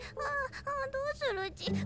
ああどうするち。